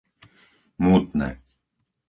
Mútne